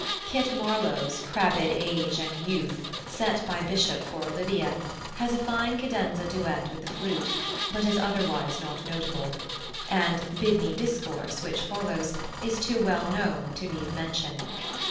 Kit Marlowe's "Crabbed age and youth," set by Bishop for Olivia, has a fine cadenza duet with the flute, but is otherwise not notable; and "Bid me discourse," which follows, is too well known to need mention.